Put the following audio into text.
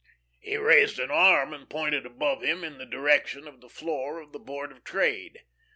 He raised an arm, and pointed above him in the direction of the floor of the Board of Trade.